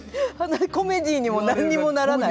コメディーにも何にもならない。